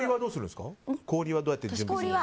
氷はどうやって準備を？